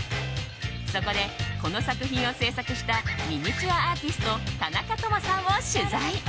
そこで、この作品を制作したミニチュアアーティスト田中智さんを取材。